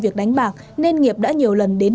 việc đánh bạc nên nghiệp đã nhiều lần đến